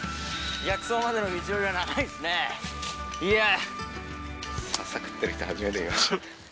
薬草までの道のりは長いですねいや。